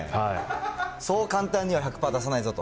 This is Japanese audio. そう簡単には１００パー出さないぞと。